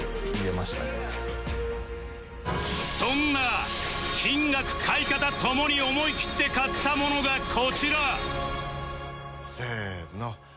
そんな金額買い方ともに思いきって買ったものがこちらせーの。